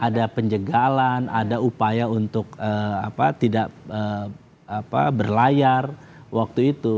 ada penjagalan ada upaya untuk tidak berlayar waktu itu